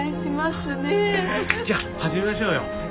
じゃあ始めましょうよ。